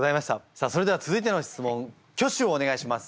さあそれでは続いての質問挙手をお願いします！